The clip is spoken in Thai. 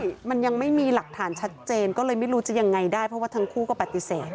ใช่มันยังไม่มีหลักฐานชัดเจนก็เลยไม่รู้จะยังไงได้เพราะว่าทั้งคู่ก็ปฏิเสธ